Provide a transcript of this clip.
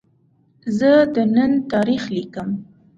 زه د نن تاریخ لیکم.